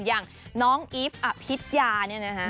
อย่างน้องอีฟอภิษยาเนี่ยนะฮะ